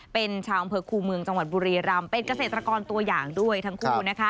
เป็นชาวอำเภอคูเมืองจังหวัดบุรีรำเป็นเกษตรกรตัวอย่างด้วยทั้งคู่